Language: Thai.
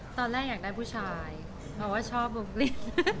ตอนแรกอยากได้ผู้ชายเพราะว่าชอบบุฟลิ